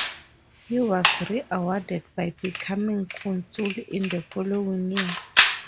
He was rewarded by becoming consul in the following year.